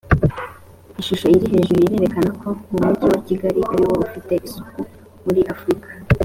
ishusho iri hejuru irerekana ko mu mujyi wa kigali ariwo ufite isuku muri afurika